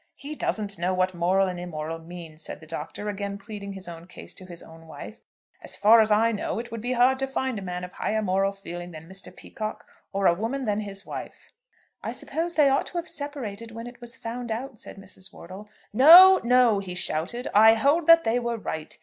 "He doesn't know what moral and immoral means," said the Doctor, again pleading his own case to his own wife. "As far as I know, it would be hard to find a man of a higher moral feeling than Mr. Peacocke, or a woman than his wife." "I suppose they ought to have separated when it was found out," said Mrs. Wortle. "No, no," he shouted; "I hold that they were right.